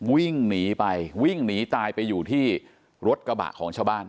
วิ่งหนีไปวิ่งหนีตายไปอยู่ที่รถกระบะของชาวบ้าน